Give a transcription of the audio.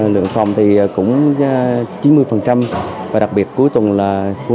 lượng phòng thì cũng chín mươi và đặc biệt cuối tuần là một trăm linh